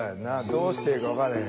どうしていいか分からへん。